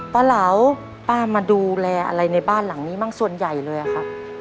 เหลาป้ามาดูแลอะไรในบ้านหลังนี้บ้างส่วนใหญ่เลยอะครับ